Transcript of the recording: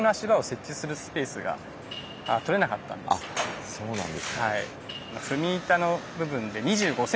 あそうなんですね。